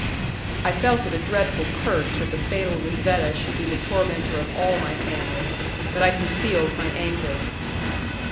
I felt it a dreadful curse that the fatal Razetta should be the tormentor of all my family, but I concealed my anger.